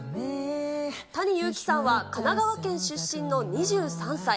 タニ・ユウキさんは神奈川県出身の２３歳。